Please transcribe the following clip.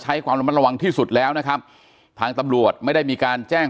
ความระมัดระวังที่สุดแล้วนะครับทางตำรวจไม่ได้มีการแจ้ง